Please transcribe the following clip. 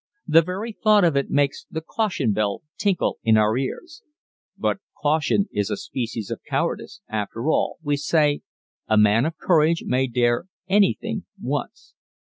The very thought of it makes the "caution bell" tinkle in our ears but caution is a species of cowardice, after all, we say a man of courage may dare anything once.